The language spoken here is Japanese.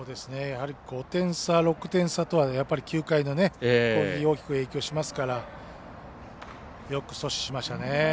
５点差、６点差とは９回の攻撃に大きく影響しますからよく阻止しましたね。